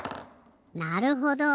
なるほど。